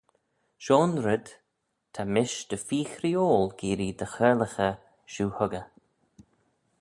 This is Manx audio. Shoh'n red ta mish dy feer chreeoil geearree dy choyrlaghey shiu huggey.